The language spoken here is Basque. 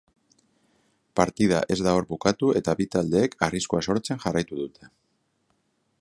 Partida ez da hor bukatu eta bi taldeek arriskua sortzen jarraitu dute.